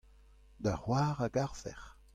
da c'hoar a garfec'h.